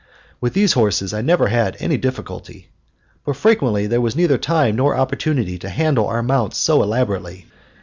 With these horses I never had any difficulty. But frequently there was neither time nor opportunity to handle our mounts so elaborately.